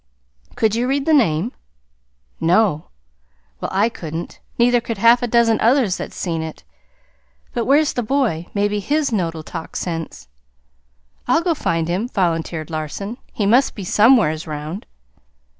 "Could you read the name?" "No." "Well, I couldn't. Neither could half a dozen others that's seen it. But where's the boy? Mebbe his note'll talk sense." "I'll go find him," volunteered Larson. "He must be somewheres 'round."